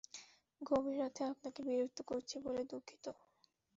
গভীর রাতে আপনাকে বিরক্ত করছি বলে দুঃখিত।